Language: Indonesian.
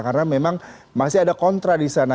karena memang masih ada kontra di sana